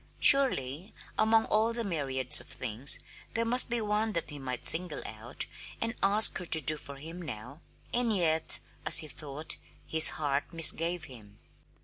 Surely among all the myriad things there must be one that he might single out and ask her to do for him now! And yet, as he thought, his heart misgave him.